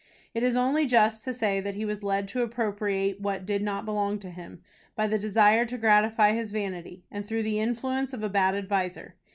It is only just to say that he was led to appropriate what did not belong to him, by the desire to gratify his vanity, and through the influence of a bad adviser.